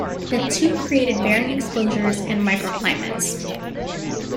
The two created varying exposures and microclimates.